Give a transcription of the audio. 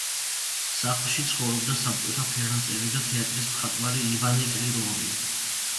სახლში ცხოვრობდა საბჭოთა ფერმწერი და თეატრის მხატვარი ივანე კრილოვი.